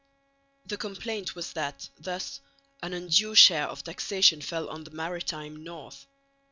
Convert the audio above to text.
The complaint was that thus an undue share of taxation fell on the maritime north.